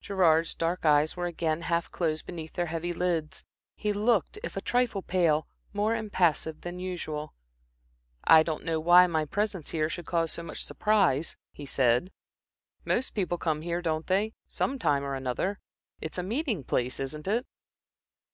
Gerard's dark eyes were again half closed beneath their heavy lids. He looked, if a trifle pale, more impassive than usual. "I don't know why my presence here should cause so much surprise," he said. "Most people come here, don't they, some time or another. It's a a meeting place, isn't it?"